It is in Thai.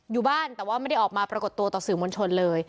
อยู่บ้านแต่เลยไม่ได้ออกมาประกับตัวต่อสืมวัญชนเลย